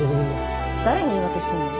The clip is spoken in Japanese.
誰に言い訳してんの？